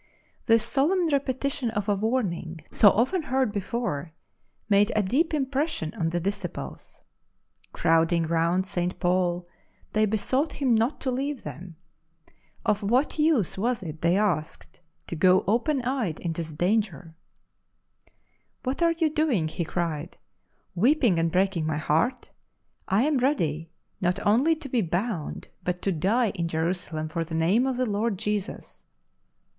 This solemn repetition of a warning so often heard before made a deep impression on the disciples. Crowding round St. Paul, they besought him not to leave them. Of what use was it, they asked, to go open eyed into the danger ? LIFE OF ST. PAUL 96 " Wliat are you doing/' he cried, " weeping and breaking my heart ? I am ready, not only to be bound, but to die in Jerusalem for the name of the Lord Jesus."